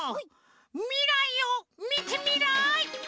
みらいをみてみらい！